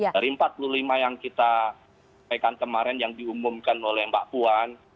dari empat puluh lima yang kita sampaikan kemarin yang diumumkan oleh mbak puan